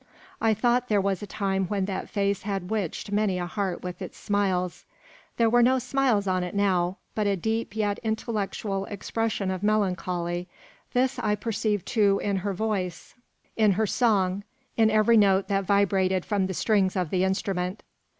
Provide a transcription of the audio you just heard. I thought there was a time when that face had witched many a heart with its smiles. There were no smiles on it now, but a deep yet intellectual expression of melancholy. This I perceived, too, in her voice, in her song, in every note that vibrated from the strings of the instrument.